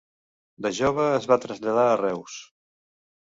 De jove es va traslladar a Reus.